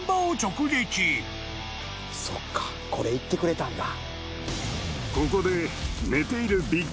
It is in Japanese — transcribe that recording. そっかこれ行ってくれたんだ。